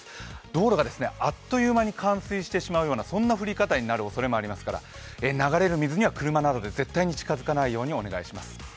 道路があっという間に冠水してしまうような降り方になるおそれもありますから流れる水には車などで絶対に近づかないようにお願いします。